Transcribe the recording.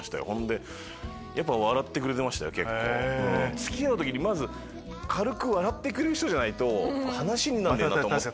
付き合う時にまず軽く笑ってくれる人じゃないと話になんねえなと思って。